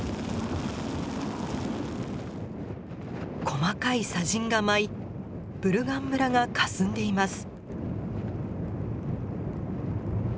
細かい砂じんが舞いブルガン村がかすんでいます。